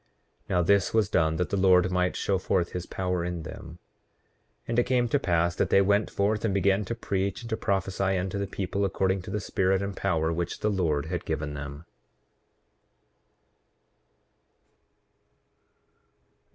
Now, this was done that the Lord might show forth his power in them. 8:32 And it came to pass that they went forth and began to preach and to prophesy unto the people, according to the spirit and power which the Lord had given them.